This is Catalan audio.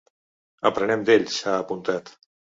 “Aprenem d’ells”, ha apuntat.